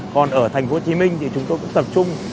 còn ở thành phố hồ chí minh thì chúng tôi cũng tập trung